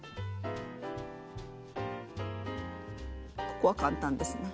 ここは簡単ですね。